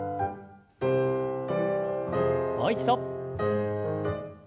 もう一度。